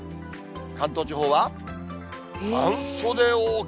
関東地方は、半袖ＯＫ。